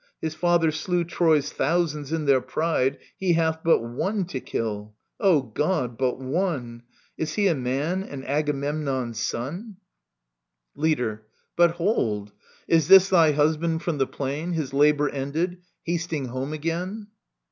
His father slew Troy's thousands in their pride : He hath but one to kill ••. O God, but one I Is he a man, and Agamemnon's son ? Digitized by VjOOQIC 24 EURIPIDES Leader. But hold : is this thy husband from the plain. His labour ended, hasting home again